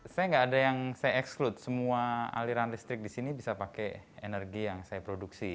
saya nggak ada yang saya eksklut semua aliran listrik di sini bisa pakai energi yang saya produksi